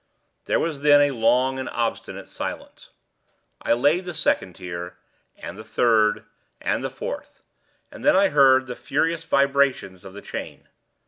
There was then a long and obstinate silence. I laid the second tier, and the third, and the fourth; and then I heard the furious vibrations of the chain.